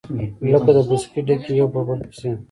لكه د پوزکي ډَکي يو په بل پسي،